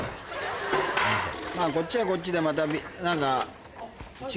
まぁこっちはこっちでまた何か。